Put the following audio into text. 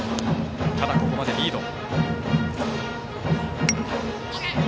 ただ、ここまでリード。